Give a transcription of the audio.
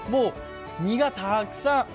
身がたくさん。